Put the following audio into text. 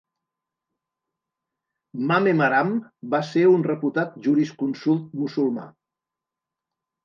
Mame Maram va ser un reputat jurisconsult musulmà.